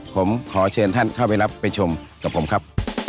ผมขอเชิญท่านเข้าไปรับไปชมกับผมครับ